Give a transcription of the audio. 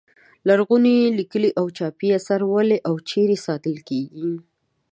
لرغوني لیکلي او چاپي اثار ولې او چیرې ساتل کیږي.